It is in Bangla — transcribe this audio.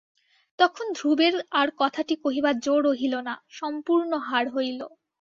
তখন ধ্রুবের আর কথাটি কহিবার জো রহিল না, সম্পূর্ণ হার হইল।